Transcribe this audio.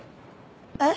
えっ？